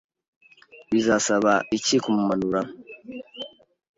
Bizasaba iki kumumanura?